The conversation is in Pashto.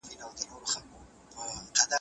موضوع باید د پوهنتون له اصولو سره سمه وي.